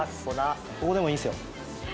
ここでもいいですよ。